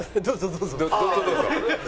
どうぞどうぞ。